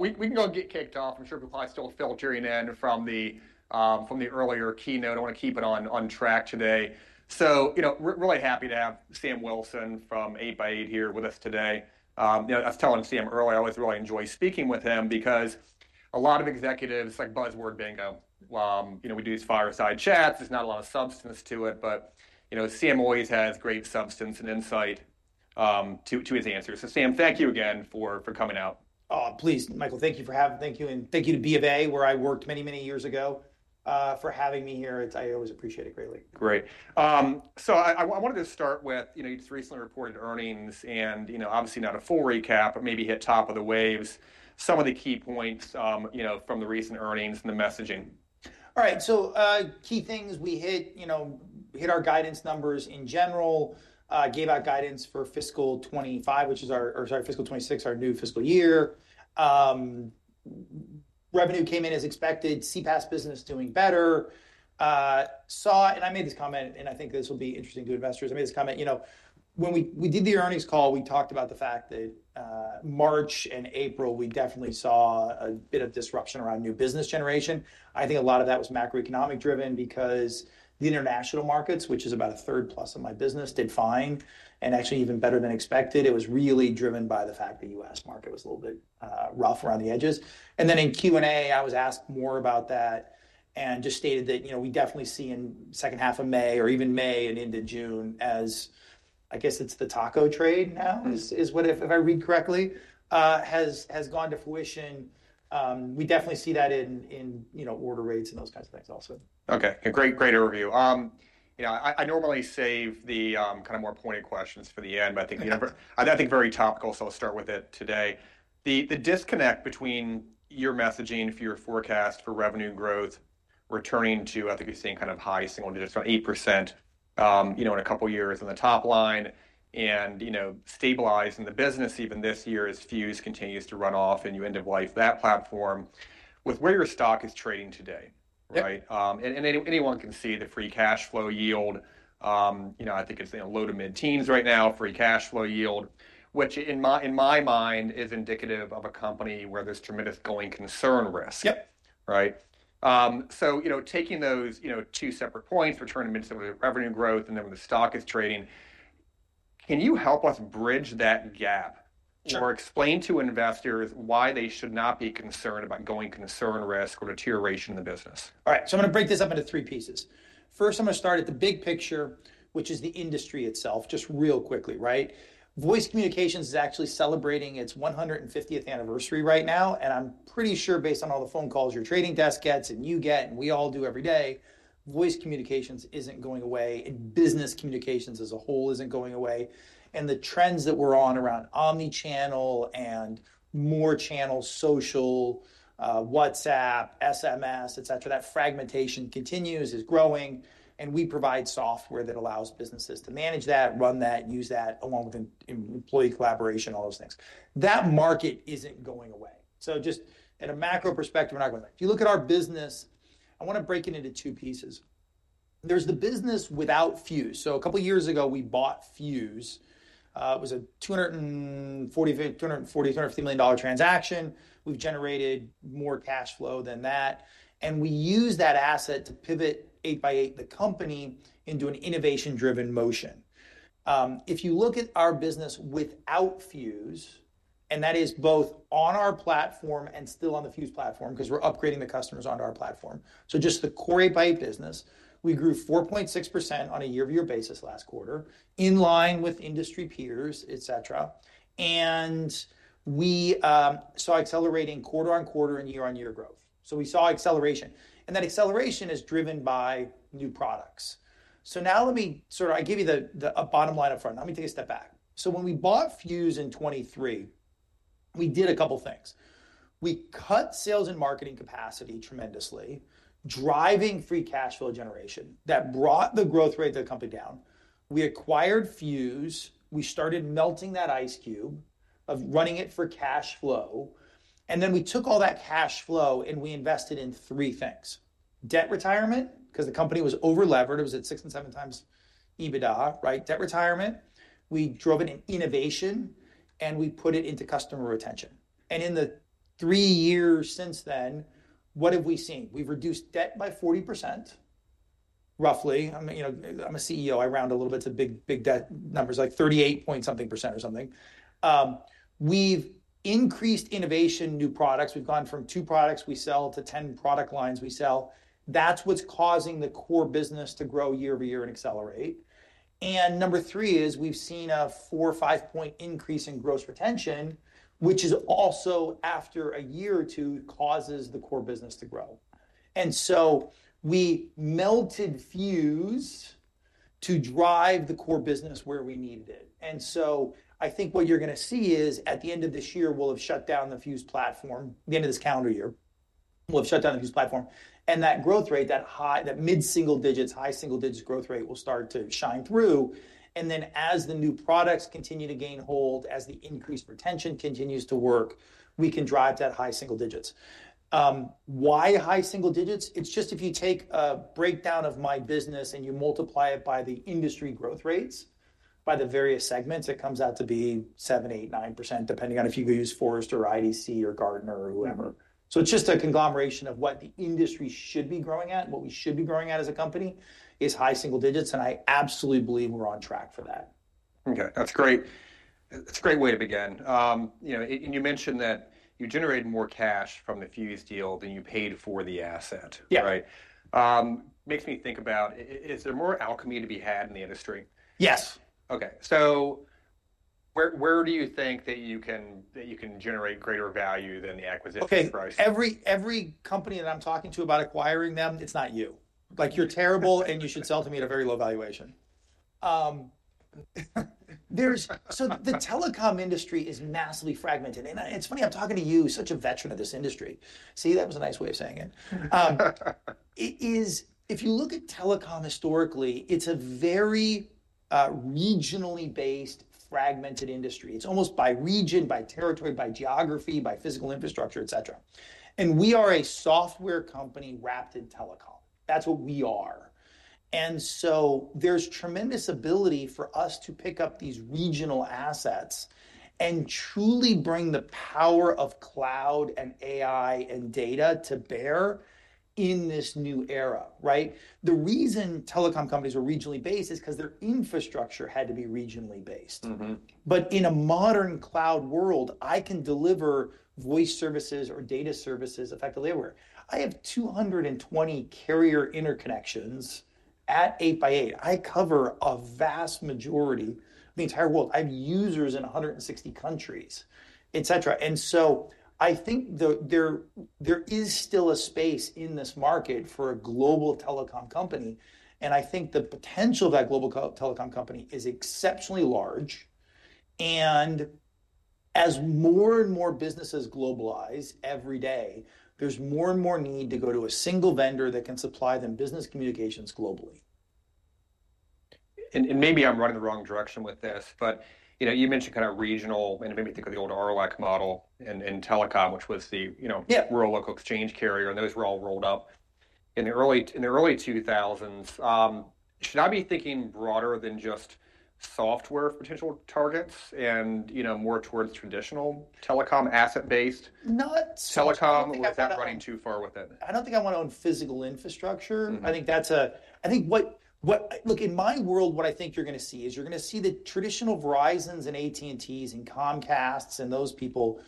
We can go and get kicked off. I'm sure people probably still feel a cheering in from the earlier keynote. I want to keep it on track today. You know, really happy to have Sam Wilson from 8x8 here with us today. I was telling Sam earlier, I always really enjoy speaking with him because a lot of executives, it's like buzzword bingo. You know, we do these fireside chats. There's not a lot of substance to it, but, you know, Sam always has great substance and insight to his answers. You know, Sam, thank you again for coming out. Please, Michael, thank you for having me. Thank you. And thank you to Bank of America, where I worked many, many years ago for having me here. I always appreciate it greatly. Great. I wanted to start with, you know, you just recently reported earnings and, you know, obviously not a full recap, but maybe hit top of the waves, some of the key points, you know, from the recent earnings and the messaging. All right. So key things we hit, you know, hit our guidance numbers in general, gave out guidance for fiscal 2025, which is our, or sorry, fiscal 2026, our new fiscal year. Revenue came in as expected, CPaaS business doing better. Saw, and I made this comment, and I think this will be interesting to investors. I made this comment, you know, when we did the earnings call, we talked about the fact that March and April, we definitely saw a bit of disruption around new business generation. I think a lot of that was macroeconomic driven because the international markets, which is about a third plus of my business, did fine and actually even better than expected. It was really driven by the fact that the U.S. market was a little bit rough around the edges. In Q&A, I was asked more about that and just stated that, you know, we definitely see in the second half of May or even May and into June as, I guess it's the taco trade now, is what if I read correctly, has gone to fruition. We definitely see that in, you know, order rates and those kinds of things also. Okay. Great, great overview. You know, I normally save the kind of more pointed questions for the end, but I think, you know, I think very topical, so I'll start with it today. The disconnect between your messaging for your forecast for revenue growth returning to, I think we've seen kind of high single digits around 8%, you know, in a couple of years in the top line and, you know, stabilizing the business even this year as Fuze continues to run off and you end of life that platform with where your stock is trading today, right? And anyone can see the free cash flow yield. You know, I think it's low to mid-teens right now, free cash flow yield, which in my mind is indicative of a company where there's tremendous going concern risk. Yep. Right? So, you know, taking those, you know, two separate points, returning mid-step revenue growth and then when the stock is trading, can you help us bridge that gap or explain to investors why they should not be concerned about going concern risk or deterioration in the business? All right. I'm going to break this up into three pieces. First, I'm going to start at the big picture, which is the industry itself, just real quickly, right? Voice communications is actually celebrating its 150th anniversary right now. I'm pretty sure based on all the phone calls your trading desk gets and you get and we all do every day, voice communications isn't going away and business communications as a whole isn't going away. The trends that we're on around omnichannel and more channel social, WhatsApp, SMS, etcetera, that fragmentation continues, is growing. We provide software that allows businesses to manage that, run that, use that along with employee collaboration, all those things. That market isn't going away. Just at a macro perspective, we're not going away. If you look at our business, I want to break it into two pieces. There's the business without Fuze. A couple of years ago, we bought Fuze. It was a $240 million-$250 million transaction. We've generated more cash flow than that. We use that asset to pivot 8x8, the company, into an innovation-driven motion. If you look at our business without Fuze, and that is both on our platform and still on the Fuze platform because we're upgrading the customers onto our platform. Just the core 8x8 business, we grew 4.6% on a year-to-year basis last quarter in line with industry peers, etcetera. We saw accelerating quarter on quarter and year-on-year growth. We saw acceleration. That acceleration is driven by new products. Now let me sort of, I give you the bottom line up front. Let me take a step back. When we bought Fuze in 2023, we did a couple of things. We cut sales and marketing capacity tremendously, driving free cash flow generation that brought the growth rate of the company down. We acquired Fuze. We started melting that ice cube of running it for cash flow. We took all that cash flow and we invested in three things: debt retirement, because the company was over-levered, it was at six and seven times EBITDA, right? Debt retirement. We drove it in innovation and we put it into customer retention. In the three years since then, what have we seen? We have reduced debt by 40%, roughly. I am a CEO, I round a little bit to big debt numbers, like 38 point something percent or something. We have increased innovation, new products. We have gone from two products we sell to 10 product lines we sell. That is what is causing the core business to grow year-to-year and accelerate. Number three is we've seen a four- or five-point increase in gross retention, which is also after a year or two causes the core business to grow. We melted Fuze to drive the core business where we needed it. I think what you're going to see is at the end of this year, we'll have shut down the Fuze platform, the end of this calendar year, we'll have shut down the Fuze platform. That growth rate, that high, that mid-single digits, high single digits growth rate will start to shine through. As the new products continue to gain hold, as the increased retention continues to work, we can drive that high single digits. Why high single digits? It's just if you take a breakdown of my business and you multiply it by the industry growth rates, by the various segments, it comes out to be 7%, 8%, 9% depending on if you use Forrester or IDC or Gartner or whoever. It's just a conglomeration of what the industry should be growing at and what we should be growing at as a company is high single digits. I absolutely believe we're on track for that. Okay. That's great. That's a great way to begin. You know, and you mentioned that you generated more cash from the Fuze deal than you paid for the asset, right? Yeah. Makes me think about, is there more alchemy to be had in the industry? Yes. Okay. So where do you think that you can generate greater value than the acquisition price? Okay. Every company that I'm talking to about acquiring them, it's not you. Like you're terrible and you should sell to me at a very low valuation. The telecom industry is massively fragmented. It's funny, I'm talking to you, such a veteran of this industry. See, that was a nice way of saying it. It is, if you look at telecom historically, it's a very regionally based fragmented industry. It's almost by region, by territory, by geography, by physical infrastructure, etcetera. We are a software company wrapped in telecom. That's what we are. There is tremendous ability for us to pick up these regional assets and truly bring the power of cloud and AI and data to bear in this new era, right? The reason telecom companies are regionally based is because their infrastructure had to be regionally based. In a modern cloud world, I can deliver voice services or data services effectively everywhere. I have 220 carrier interconnections at 8x8. I cover a vast majority of the entire world. I have users in 160 countries, etcetera. I think there is still a space in this market for a global telecom company. I think the potential of that global telecom company is exceptionally large. As more and more businesses globalize every day, there is more and more need to go to a single vendor that can supply them business communications globally. Maybe I'm running the wrong direction with this, but you mentioned kind of regional, and it made me think of the old RLEC model in telecom, which was the, you know, rural local exchange carrier, and those were all rolled up in the early 2000s. Should I be thinking broader than just software potential targets and, you know, more towards traditional telecom asset-based telecom? Is that running too far with it? I don't think I want to own physical infrastructure. I think that's a, I think what, look, in my world, what I think you're going to see is you're going to see the traditional Verizons and AT&T and Comcast and those people,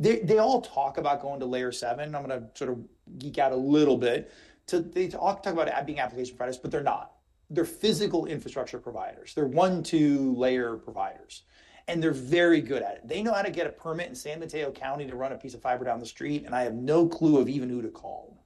they all talk about going to layer seven. I'm going to sort of geek out a little bit to talk about being application providers, but they're not. They're physical infrastructure providers. They're one, two layer providers. And they're very good at it. They know how to get a permit in San Mateo County to run a piece of fiber down the street, and I have no clue of even who to call.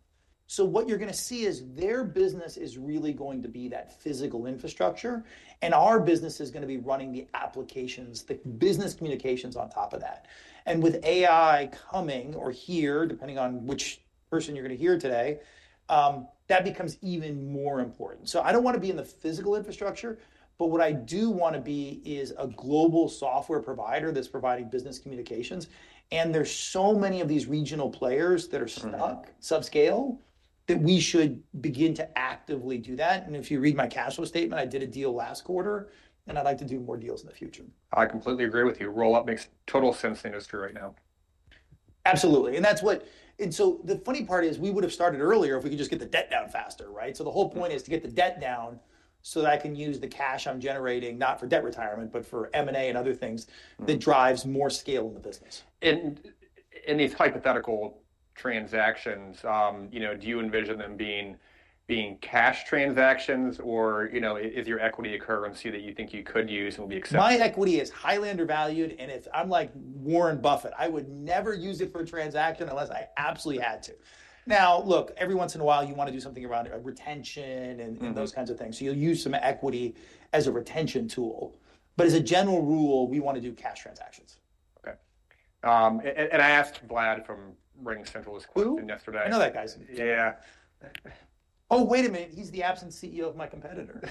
What you're going to see is their business is really going to be that physical infrastructure. Our business is going to be running the applications, the business communications on top of that. With AI coming or here, depending on which person you're going to hear today, that becomes even more important. I don't want to be in the physical infrastructure, but what I do want to be is a global software provider that's providing business communications. There are so many of these regional players that are stuck subscale that we should begin to actively do that. If you read my cash flow statement, I did a deal last quarter, and I'd like to do more deals in the future. I completely agree with you. Roll up makes total sense in the industry right now. Absolutely. That's what, and the funny part is we would have started earlier if we could just get the debt down faster, right? The whole point is to get the debt down so that I can use the cash I'm generating not for debt retirement, but for M&A and other things that drives more scale in the business. Do you envision these hypothetical transactions being cash transactions or, you know, is your equity a currency that you think you could use and will be accepted? My equity is highly undervalued and it's, I'm like Warren Buffett. I would never use it for a transaction unless I absolutely had to. Now, look, every once in a while you want to do something around retention and those kinds of things. So you'll use some equity as a retention tool. But as a general rule, we want to do cash transactions. Okay. I asked Vlad from RingCentral's question yesterday. I know that guy. Yeah. Oh, wait a minute. He's the absent CEO of my competitor.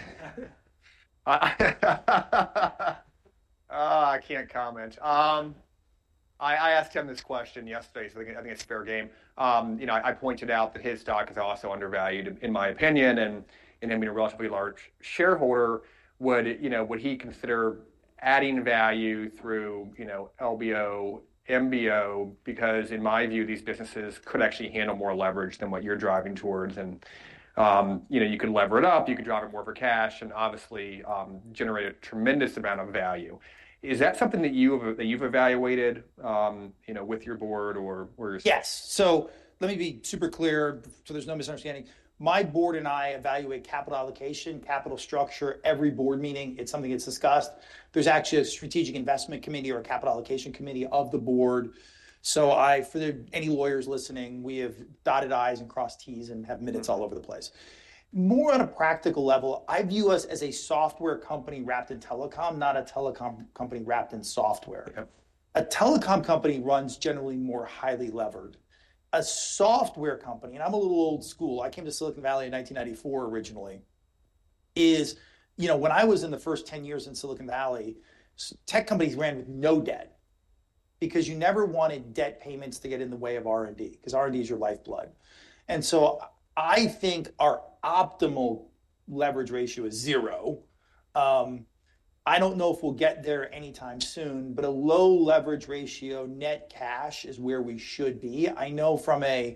I can't comment. I asked him this question yesterday. I think it's fair game. You know, I pointed out that his stock is also undervalued in my opinion and him being a relatively large shareholder, would, you know, would he consider adding value through, you know, LBO, MBO, because in my view, these businesses could actually handle more leverage than what you're driving towards. You could lever it up, you could drive it more for cash and obviously generate a tremendous amount of value. Is that something that you've evaluated, you know, with your board or yourself? Yes. Let me be super clear. There is no misunderstanding. My board and I evaluate capital allocation, capital structure, every board meeting. It is something that is discussed. There is actually a strategic investment committee or a capital allocation committee of the board. For any lawyers listening, we have dotted i's and crossed t's and have minutes all over the place. On a practical level, I view us as a software company wrapped in telecom, not a telecom company wrapped in software. A telecom company runs generally more highly levered. A software company, and I am a little old school, I came to Silicon Valley in 1994 originally, is, you know, when I was in the first 10 years in Silicon Valley, tech companies ran with no debt because you never wanted debt payments to get in the way of R&D because R&D is your lifeblood. I think our optimal leverage ratio is zero. I do not know if we will get there anytime soon, but a low leverage ratio net cash is where we should be. I know from an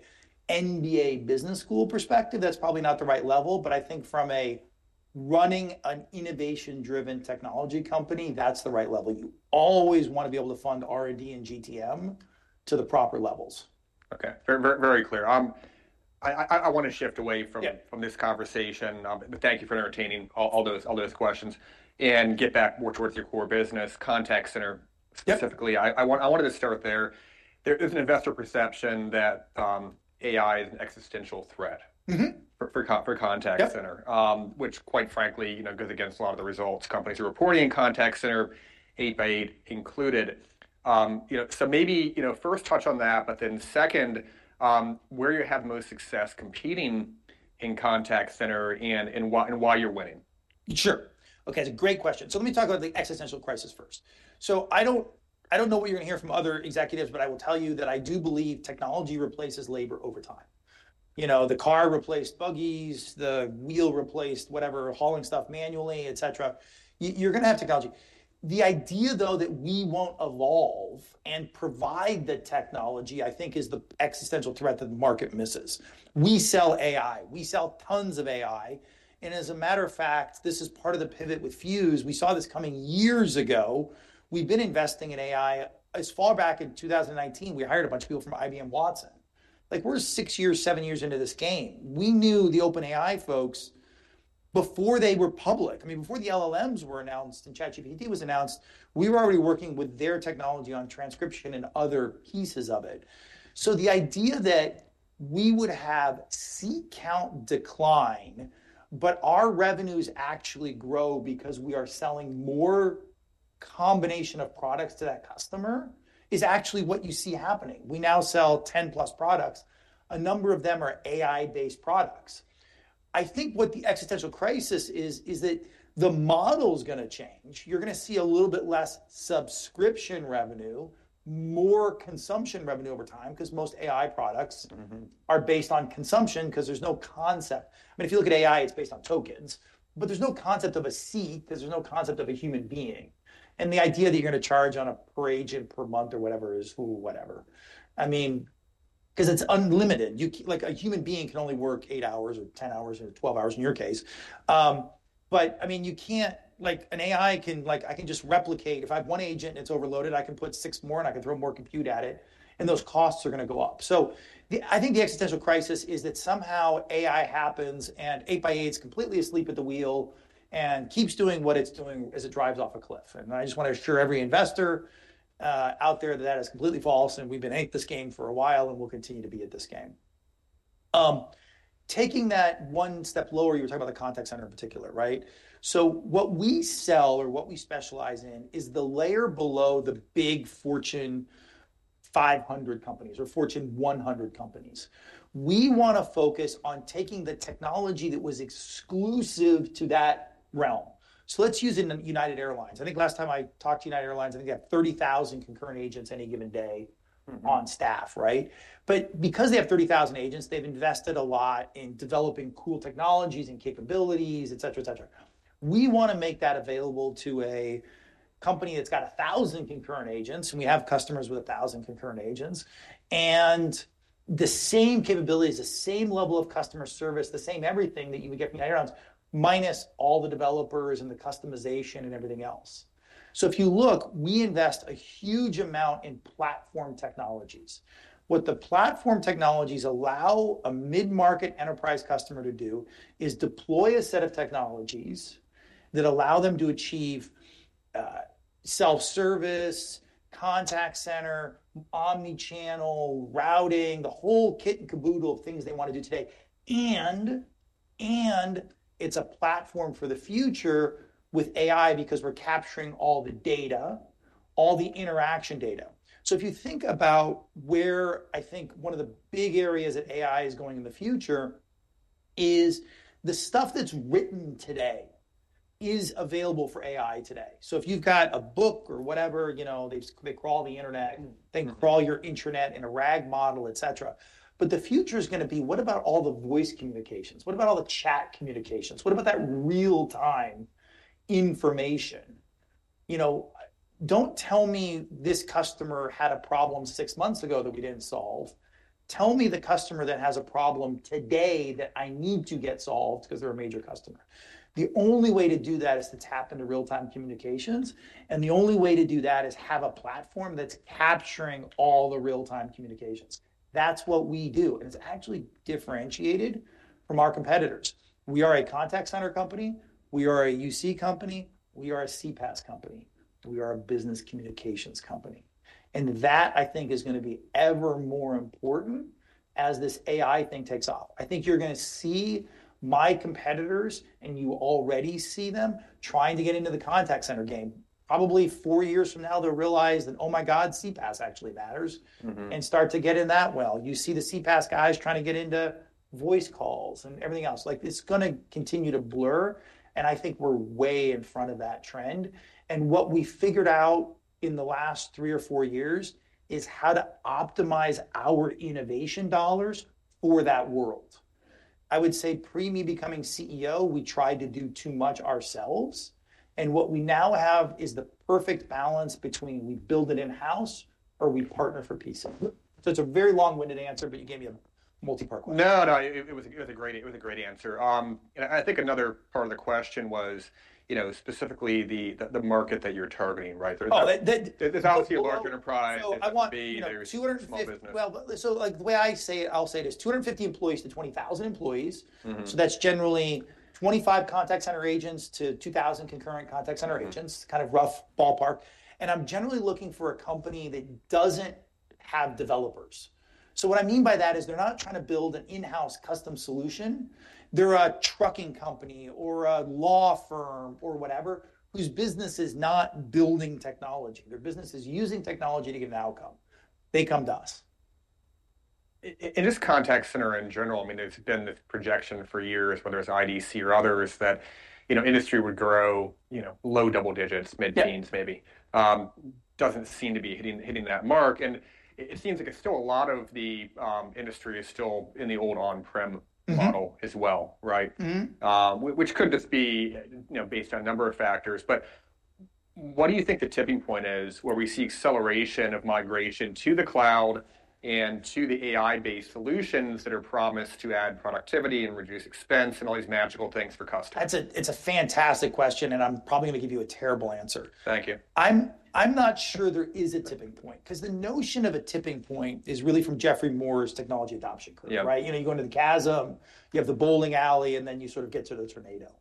MBA business school perspective, that is probably not the right level, but I think from running an innovation-driven technology company, that is the right level. You always want to be able to fund R&D and GTM to the proper levels. Okay. Very clear. I want to shift away from this conversation. Thank you for entertaining all those questions and get back more towards your core business, Contact Center specifically. I wanted to start there. There is an investor perception that AI is an existential threat for Contact Center, which quite frankly, you know, goes against a lot of the results companies are reporting in Contact Center, 8x8 included. You know, so maybe, you know, first touch on that, but then second, where you have most success competing in Contact Center and why you're winning. Sure. Okay. That's a great question. Let me talk about the existential crisis first. I don't know what you're going to hear from other executives, but I will tell you that I do believe technology replaces labor over time. You know, the car replaced buggies, the wheel replaced whatever, hauling stuff manually, et cetera. You're going to have technology. The idea though that we won't evolve and provide the technology, I think is the existential threat that the market misses. We sell AI. We sell tons of AI. As a matter of fact, this is part of the pivot with Fuze. We saw this coming years ago. We've been investing in AI. As far back as 2019, we hired a bunch of people from IBM Watson. Like we're six years, seven years into this game. We knew the OpenAI folks before they were public. I mean, before the LLMs were announced and ChatGPT was announced, we were already working with their technology on transcription and other pieces of it. The idea that we would have seat count decline, but our revenues actually grow because we are selling more combination of products to that customer is actually what you see happening. We now sell 10 plus products. A number of them are AI-based products. I think what the existential crisis is, is that the model's going to change. You're going to see a little bit less subscription revenue, more consumption revenue over time because most AI products are based on consumption because there's no concept. I mean, if you look at AI, it's based on tokens, but there's no concept of a seat because there's no concept of a human being. The idea that you're going to charge on a per agent per month or whatever is whatever. I mean, because it's unlimited. Like a human being can only work eight hours or 10 hours or 12 hours in your case. I mean, you can't, like an AI can, like I can just replicate. If I have one agent and it's overloaded, I can put six more and I can throw more compute at it. Those costs are going to go up. I think the existential crisis is that somehow AI happens and 8x8 is completely asleep at the wheel and keeps doing what it's doing as it drives off a cliff. I just want to assure every investor out there that that is completely false and we've been in this game for a while and we'll continue to be at this game. Taking that one step lower, you were talking about the Contact Center in particular, right? What we sell or what we specialize in is the layer below the big Fortune 500 companies or Fortune 100 companies. We want to focus on taking the technology that was exclusive to that realm. Let's use United Airlines. I think last time I talked to United Airlines, I think they have 30,000 concurrent agents any given day on staff, right? Because they have 30,000 agents, they've invested a lot in developing cool technologies and capabilities, etcetera, etcetera. We want to make that available to a company that's got 1,000 concurrent agents. We have customers with 1,000 concurrent agents and the same capabilities, the same level of customer service, the same everything that you would get from United Airlines minus all the developers and the customization and everything else. If you look, we invest a huge amount in platform technologies. What the platform technologies allow a mid-market enterprise customer to do is deploy a set of technologies that allow them to achieve self-service, Contact Center, omnichannel routing, the whole kit and caboodle of things they want to do today. It is a platform for the future with AI because we're capturing all the data, all the interaction data. If you think about where I think one of the big areas that AI is going in the future is the stuff that's written today is available for AI today. If you've got a book or whatever, you know, they crawl the internet, they crawl your intranet in a RAG model, etcetera. The future is going to be, what about all the voice communications? What about all the chat communications? What about that real-time information? You know, don't tell me this customer had a problem six months ago that we didn't solve. Tell me the customer that has a problem today that I need to get solved because they're a major customer. The only way to do that is to tap into real-time communications. The only way to do that is have a platform that's capturing all the real-time communications. That's what we do. It's actually differentiated from our competitors. We are a Contact Center company. We are a UCaaS company. We are a CPaaS company. We are a business communications company. That I think is going to be ever more important as this AI thing takes off. I think you're going to see my competitors and you already see them trying to get into the Contact Center game. Probably four years from now, they'll realize that, oh my God, CPaaS actually matters and start to get in that well. You see the CPaaS guys trying to get into voice calls and everything else. Like it's going to continue to blur. I think we're way in front of that trend. What we figured out in the last three or four years is how to optimize our innovation dollars for that world. I would say pre-me becoming CEO, we tried to do too much ourselves. What we now have is the perfect balance between we build it in-house or we partner for pieces. It is a very long-winded answer, but you gave me a multi-part question. No, no. It was a great answer. I think another part of the question was, you know, specifically the market that you're targeting, right? There's obviously a large enterprise. I want to be there's small business. Like the way I say it, I'll say it is 250 employees to 20,000 employees. That's generally 25 Contact Center agents to 2,000 concurrent Contact Center agents, kind of rough ballpark. I'm generally looking for a company that doesn't have developers. What I mean by that is they're not trying to build an in-house custom solution. They're a trucking company or a law firm or whatever whose business is not building technology. Their business is using technology to get an outcome. They come to us. In this Contact Center in general, I mean, there's been this projection for years whether it's IDC or others that, you know, industry would grow, you know, low double digits, mid-teens maybe. Doesn't seem to be hitting that mark. It seems like still a lot of the industry is still in the old on-prem model as well, right? Which could just be, you know, based on a number of factors. What do you think the tipping point is where we see acceleration of migration to the cloud and to the AI-based solutions that are promised to add productivity and reduce expense and all these magical things for customers? It's a fantastic question and I'm probably going to give you a terrible answer. Thank you. I'm not sure there is a tipping point because the notion of a tipping point is really from Jeffrey Moore's technology adoption curve, right? You know, you go into the chasm, you have the bowling alley, and then you sort of get to the tornado.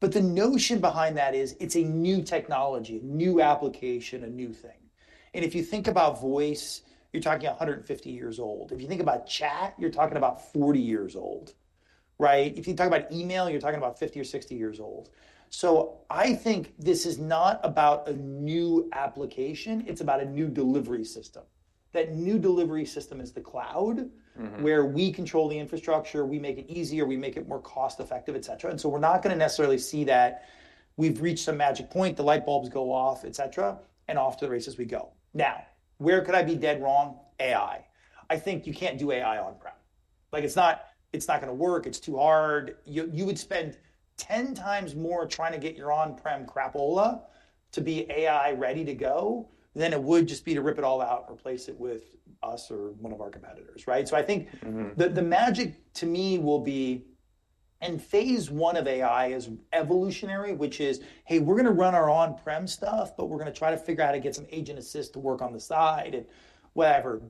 The notion behind that is it's a new technology, a new application, a new thing. If you think about voice, you're talking 150 years old. If you think about chat, you're talking about 40 years old, right? If you talk about email, you're talking about 50 or 60 years old. I think this is not about a new application. It's about a new delivery system. That new delivery system is the cloud where we control the infrastructure. We make it easier. We make it more cost-effective, etcetera. We're not going to necessarily see that we've reached a magic point, the light bulbs go off, etcetera, and off to the races we go. Now, where could I be dead wrong? AI. I think you can't do AI on-prem. Like it's not going to work. It's too hard. You would spend 10 times more trying to get your on-prem crapola to be AI ready to go than it would just be to rip it all out and replace it with us or one of our competitors, right? I think the magic to me will be, and phase one of AI is evolutionary, which is, hey, we're going to run our on-prem stuff, but we're going to try to figure out how to get some agent assist to work on the side and whatever.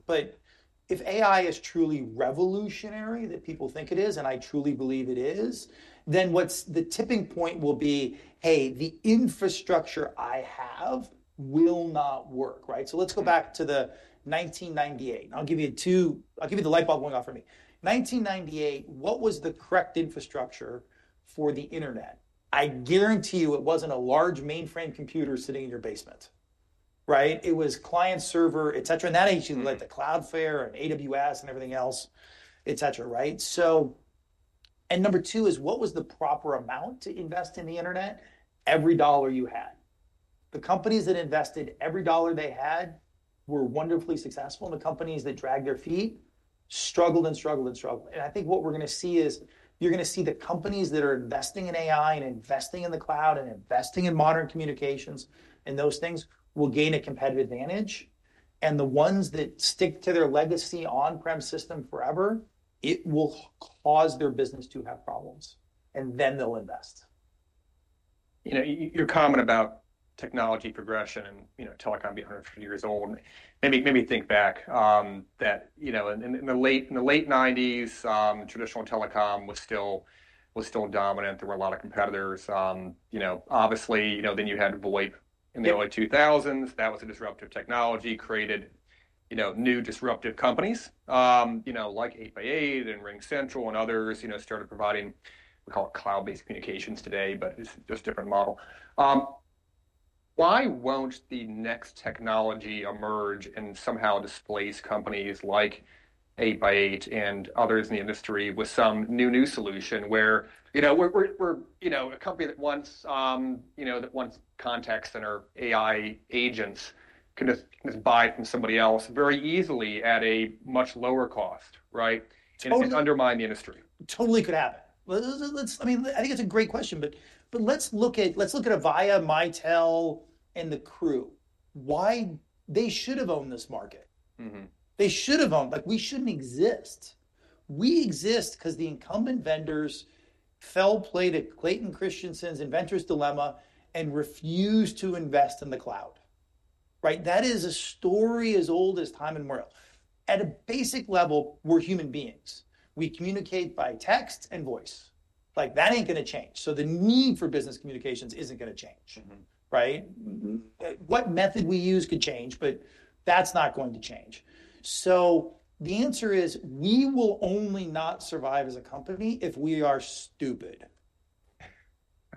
If AI is truly revolutionary that people think it is, and I truly believe it is, then what's the tipping point will be, hey, the infrastructure I have will not work, right? Let's go back to 1998. I'll give you two, I'll give you the light bulb going off for me. 1998, what was the correct infrastructure for the internet? I guarantee you it wasn't a large mainframe computer sitting in your basement, right? It was client server, etcetera. That actually led to Cloudflare and AWS and everything else, etcetera, right? Number two is what was the proper amount to invest in the internet? Every dollar you had. The companies that invested every dollar they had were wonderfully successful. The companies that dragged their feet struggled and struggled and struggled. I think what we're going to see is you're going to see the companies that are investing in AI and investing in the cloud and investing in modern communications and those things will gain a competitive advantage. The ones that stick to their legacy on-prem system forever, it will cause their business to have problems. Then they'll invest. You know, your comment about technology progression and, you know, telecom being 150 years old, made me think back that, you know, in the late 1990s, traditional telecom was still dominant. There were a lot of competitors. You know, obviously, you know, then you had VoIP in the early 2000s. That was a disruptive technology, created, you know, new disruptive companies, you know, like 8x8 and RingCentral and others, you know, started providing, we call it cloud-based communications today, but it's just a different model. Why won't the next technology emerge and somehow displace companies like 8x8 and others in the industry with some new new solution where, you know, we're, you know, a company that once, you know, that once Contact Center AI agents can just buy from somebody else very easily at a much lower cost, right? It's going to undermine the industry. Totally could happen. I mean, I think it's a great question, but let's look at Avaya, Mitel and the crew. Why? They should have owned this market. They should have owned, like we shouldn't exist. We exist because the incumbent vendors fell flat at Clayton Christensen's innovator's dilemma and refused to invest in the cloud, right? That is a story as old as time and world. At a basic level, we're human beings. We communicate by text and voice. Like that ain't going to change. So the need for business communications isn't going to change, right? What method we use could change, but that's not going to change. The answer is we will only not survive as a company if we are stupid.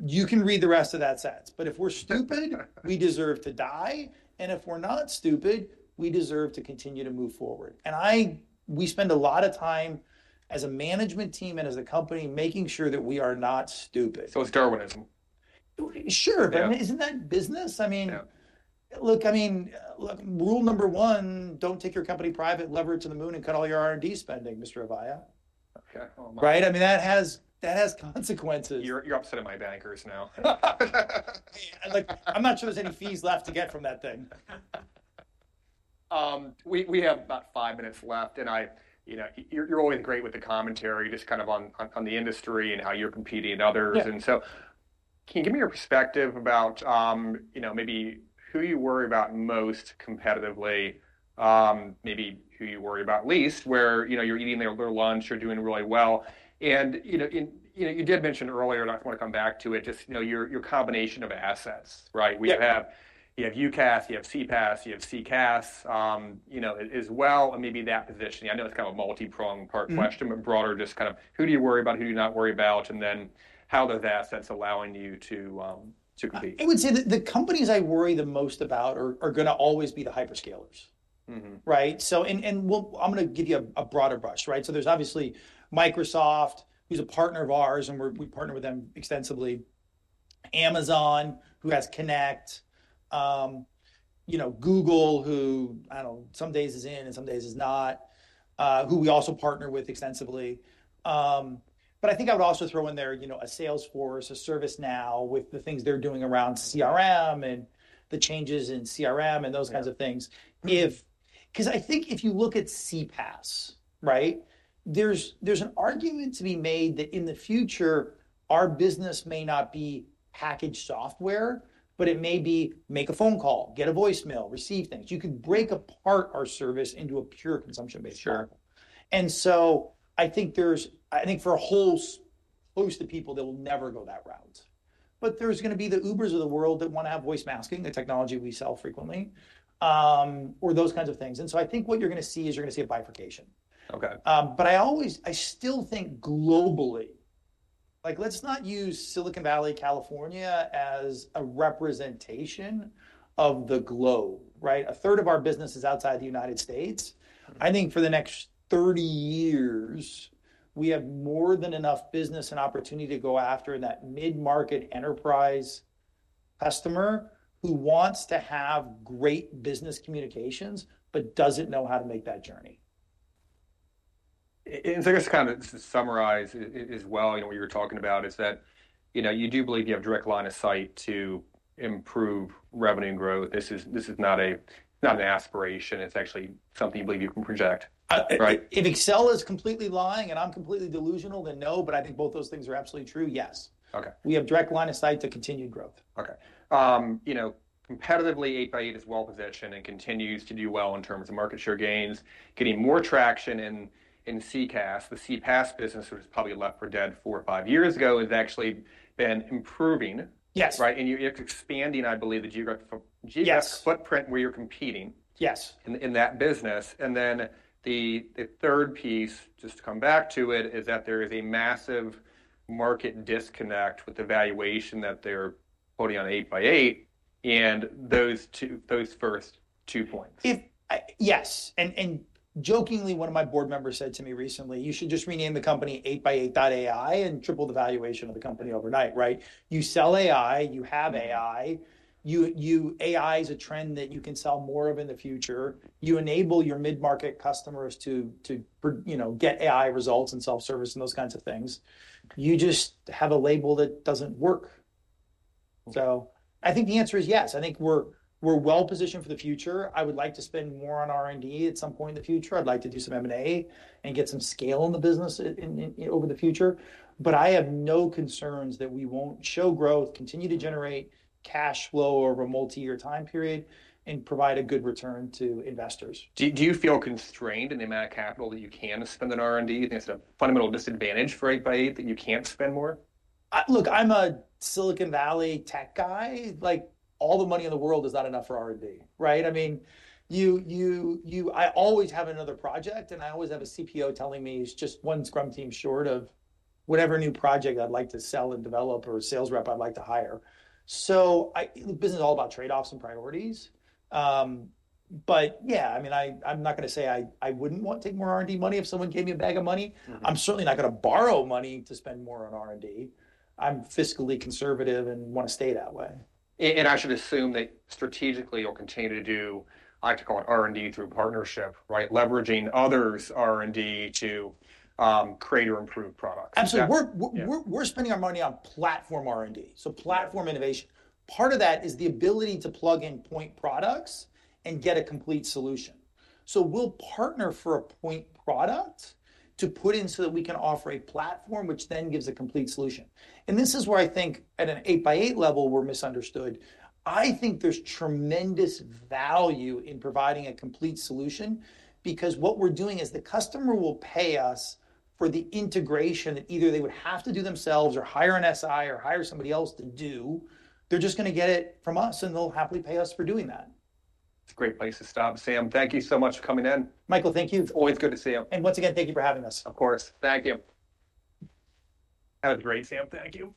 You can read the rest of that sentence. But if we're stupid, we deserve to die. If we're not stupid, we deserve to continue to move forward. I, we spend a lot of time as a management team and as a company making sure that we are not stupid. It's Darwinism. Sure, but isn't that business? I mean, look, I mean, look, rule number one, don't take your company private, lever it to the moon and cut all your R&D spending, Mr. Avaya, right? I mean, that has consequences. You're upset at my bankers now. I'm not sure there's any fees left to get from that thing. We have about five minutes left and I, you know, you're always great with the commentary just kind of on the industry and how you're competing and others. Can you give me your perspective about, you know, maybe who you worry about most competitively, maybe who you worry about least where, you know, you're eating their lunch, you're doing really well. You did mention earlier, and I want to come back to it, just, you know, your combination of assets, right? We have, you have UCaaS, you have CPaaS, you have CCaaS, you know, as well. Maybe that position, I know it's kind of a multi-pronged part question, but broader just kind of who do you worry about, who do you not worry about, and then how those assets are allowing you to compete. I would say that the companies I worry the most about are going to always be the hyperscalers, right? So, and I'm going to give you a broader brush, right? So there's obviously Microsoft, who's a partner of ours and we partner with them extensively. Amazon, who has Connect. You know, Google, who I don't know, some days is in and some days is not, who we also partner with extensively. But I think I would also throw in there, you know, a Salesforce, a ServiceNow with the things they're doing around CRM and the changes in CRM and those kinds of things. Because I think if you look at CPaaS, right, there's an argument to be made that in the future, our business may not be package software, but it may be make a phone call, get a voicemail, receive things. You could break apart our service into a pure consumption-based software. I think for a whole host of people, they will never go that route. There are going to be the Ubers of the world that want to have voice masking, the technology we sell frequently, or those kinds of things. I think what you're going to see is you're going to see a bifurcation. I still think globally, let's not use Silicon Valley, California as a representation of the globe, right? A third of our business is outside the U.S. I think for the next 30 years, we have more than enough business and opportunity to go after that mid-market enterprise customer who wants to have great business communications, but doesn't know how to make that journey. Just kind of to summarize as well, you know, what you were talking about is that, you know, you do believe you have direct line of sight to improve revenue and growth. This is not an aspiration. It's actually something you believe you can project. If Excel is completely lying and I'm completely delusional, then no, but I think both those things are absolutely true. Yes. We have direct line of sight to continued growth. Okay. You know, competitively, 8x8 is well positioned and continues to do well in terms of market share gains, getting more traction in CCaaS. The CPaaS business, which was probably left for dead four or five years ago, has actually been improving, right? You are expanding, I believe, the geographic footprint where you are competing in that business. The third piece, just to come back to it, is that there is a massive market disconnect with the valuation that they are putting on 8x8 and those first two points. Yes. Jokingly, one of my board members said to me recently, you should just rename the company 8x8.ai and triple the valuation of the company overnight, right? You sell AI, you have AI. AI is a trend that you can sell more of in the future. You enable your mid-market customers to, you know, get AI results and self-service and those kinds of things. You just have a label that does not work. I think the answer is yes. I think we are well positioned for the future. I would like to spend more on R&D at some point in the future. I would like to do some M&A and get some scale in the business over the future. I have no concerns that we will not show growth, continue to generate cash flow over a multi-year time period and provide a good return to investors. Do you feel constrained in the amount of capital that you can spend on R&D? Is there a fundamental disadvantage for 8x8 that you can't spend more? Look, I'm a Silicon Valley tech guy. Like all the money in the world is not enough for R&D, right? I mean, I always have another project and I always have a CPO telling me he's just one scrum team short of whatever new project I'd like to sell and develop or a sales rep I'd like to hire. Business is all about trade-offs and priorities. Yeah, I mean, I'm not going to say I wouldn't want to take more R&D money if someone gave me a bag of money. I'm certainly not going to borrow money to spend more on R&D. I'm fiscally conservative and want to stay that way. I should assume that strategically you'll continue to do, I like to call it R&D through partnership, right? Leveraging others' R&D to create or improve products. Absolutely. We're spending our money on platform R&D. Platform innovation. Part of that is the ability to plug in point products and get a complete solution. We'll partner for a point product to put in so that we can offer a platform which then gives a complete solution. This is where I think at an 8x8 level, we're misunderstood. I think there's tremendous value in providing a complete solution because what we're doing is the customer will pay us for the integration that either they would have to do themselves or hire an SI or hire somebody else to do. They're just going to get it from us and they'll happily pay us for doing that. It's a great place to stop. Sam, thank you so much for coming in. Michael, thank you. It's always good to see you. Once again, thank you for having us. Of course. Thank you. That was great, Sam. Thank you.